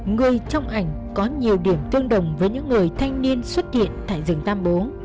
người trong ảnh có nhiều điểm tương đồng với những người thanh niên xuất hiện tại rừng tam bố